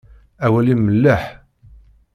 Awal-im melleḥ.